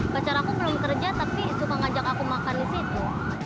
pacar aku belum kerja tapi suka ngajak aku makan di situ